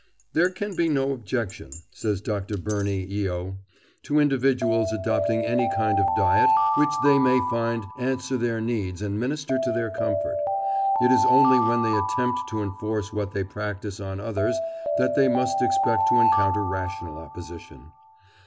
"There can be no objection," says Dr. Burney Yeo, "to individuals adopting any kind of diet which they may find answer their needs and minister to their comfort; it is only when they attempt to enforce what they practise on others that they must expect to encounter rational opposition."